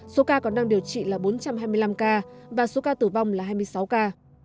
số ca còn đang điều trị là bốn trăm hai mươi năm ca và số ca tử vong là hai mươi sáu ca